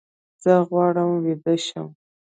زه غواړم ویده شم